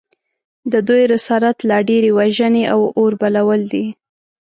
د دوی رسالت لا ډېرې وژنې او اوربلول دي